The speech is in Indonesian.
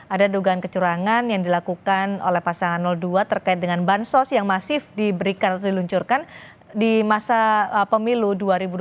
ada dugaan kecurangan yang dilakukan oleh pasangan dua terkait dengan bansos yang masif diberikan atau diluncurkan di masa pemilu dua ribu dua puluh